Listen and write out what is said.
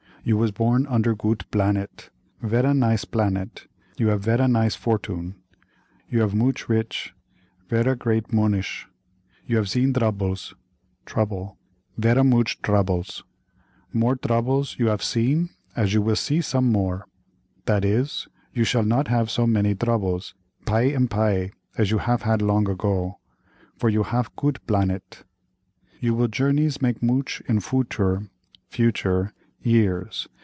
You was born under goot blanet, vera nice blanet, you have vera nice fortoon. You have mooch rich, vera great monish; you haf seen drubbles, (trouble) vera mooch drubbles—more drubbles you haf seen, as you will see some more—dat is, you shall not have so many drubbles py and py as you haf had long ago, for you haf goot blanet. You will journeys make mooch in footoor (future) years.